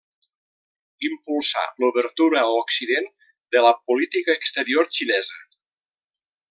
Impulsà l'obertura a Occident de la política exterior xinesa.